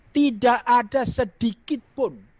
tidak ada sedikitpun